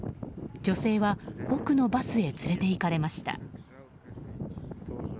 女性は奥のバスへ連れていかれました。